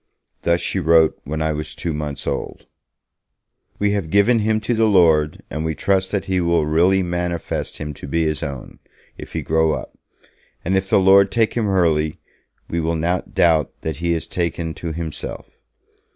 Thus she wrote when I was two months old: 'We have given him to the Lord; and we trust that He will really manifest him to be His own, if he grow up; and if the Lord take him early, we will not doubt that he is taken to Himself.